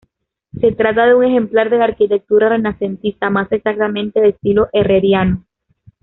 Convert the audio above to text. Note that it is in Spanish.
Se trata de un ejemplar de la arquitectura renacentista, más exactamente de estilo herreriano.